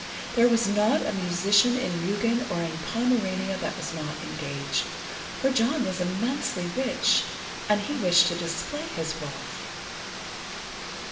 There was not a musician in Rügen or in Pomerania that was not engaged, for John was immensely rich, and he wished to display his wealth.